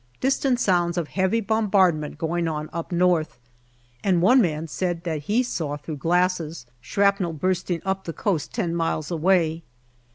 Distant sounds of heavy bombardment going on up north, and one man said that he saw through glasses shrapnel bursting up the coast ten miles away.